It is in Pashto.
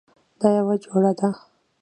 او دا یوه جوړه ده